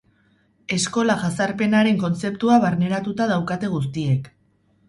Eskola jazarpenaren kontzeptua barneratuta daukate guztiek.